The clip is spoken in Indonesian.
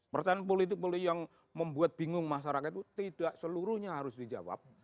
pertanyaan politik politik yang membuat bingung masyarakat itu tidak seluruhnya harus dijawab